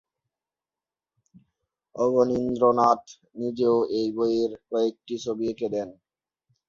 অবনীন্দ্রনাথ নিজেও এই বইয়ের কয়েকটি ছবি এঁকে দেন।